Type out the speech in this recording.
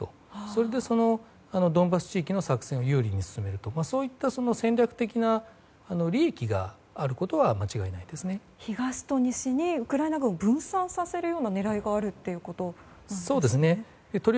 それで、ドンバス地域の作戦を有利に進めるといった戦略的な利益が東と西にウクライナ軍を分散させる狙いがあるということですか。